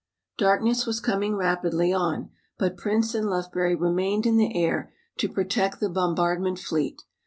Darkness was coming rapidly on but Prince and Lufbery remained in the air to protect the bombardment fleet.